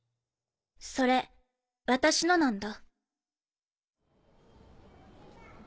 それ私のなんだ。